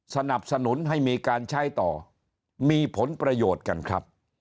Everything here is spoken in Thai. สนับสนุนให้มีการใช้ต่อมีผลประโยชน์กันครับ